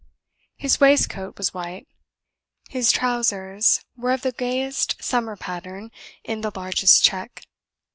His waistcoat was white; his trousers were of the gayest summer pattern, in the largest check.